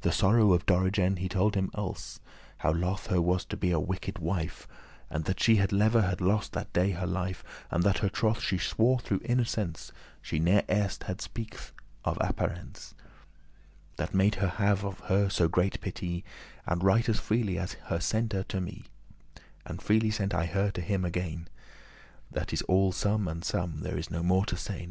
The sorrow of Dorigen he told him als',* *also How loth her was to be a wicked wife, And that she lever had lost that day her life; And that her troth she swore through innocence; She ne'er erst* had heard speak of apparence *before see note <31> That made me have of her so great pity, And right as freely as he sent her to me, As freely sent I her to him again: This is all and some, there is no more to sayn."